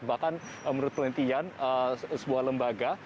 bahkan menurut penelitian sebuah lembaga